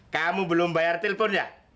kamu belum bayar telpon ya